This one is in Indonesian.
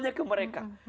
itu aja ke mereka